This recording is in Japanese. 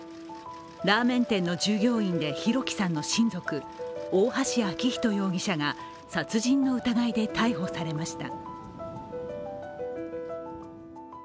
ラーメン店の従業員で弘輝さんの親族大橋昭仁容疑者が殺人の疑いで逮捕されました。